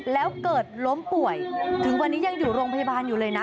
แล้วเกิดล้มป่วยถึงวันนี้ยังอยู่โรงพยาบาลอยู่เลยนะ